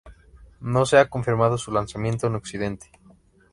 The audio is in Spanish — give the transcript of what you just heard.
No se ha confirmado su lanzamiento en Occidente.